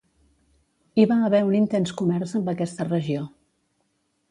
Hi va haver un intens comerç amb aquesta regió.